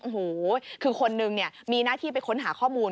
โอ้โหคือคนนึงเนี่ยมีหน้าที่ไปค้นหาข้อมูล